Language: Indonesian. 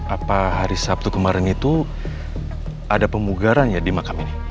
apa hari sabtu kemarin itu ada pemugaran ya di makam ini